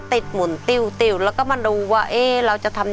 หมุนติ้วติ้วแล้วก็มาดูว่าเอ๊ะเราจะทำ